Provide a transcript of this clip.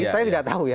saya tidak tahu ya